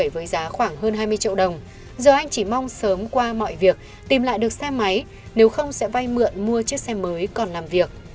với giá khoảng hơn hai mươi triệu đồng giờ anh chỉ mong sớm qua mọi việc tìm lại được xe máy nếu không sẽ vay mượn mua chiếc xe mới còn làm việc